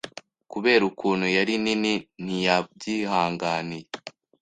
kubera ukuntu yari nini Ntiyabyihanganiye